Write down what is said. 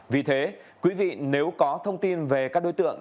vì thế quý vị nếu có thông tin về các đối tượng